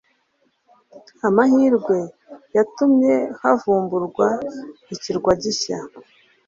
Amahirwe yatumye havumburwa ikirwa gishya.